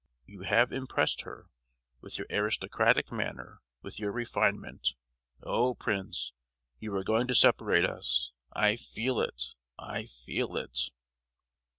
You have impressed her with your aristocratic manner, with your refinement. Oh! Prince, you are going to separate us—I feel it, I feel it!"